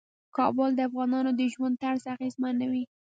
کابل د افغانانو د ژوند طرز اغېزمنوي.